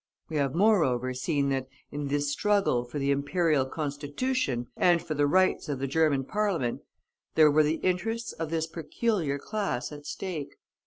We have, moreover, seen that, in this struggle for the Imperial Constitution, and for the rights of the German Parliament, there were the interests of this peculiar class at stake.